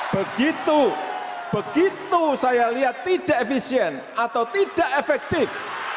begitu begitu saya lihat tidak efisien atau tidak efektif